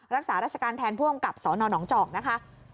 รักษาราชการแทนผู้อำกับสนหนองจอกนะคะ